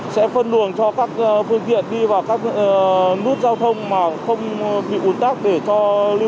sẽ phân luồng cho các phương tiện đi vào các nút giao thông mà không bị ồn tắc để cho lưu lượng phương tiện được phát nhanh hơn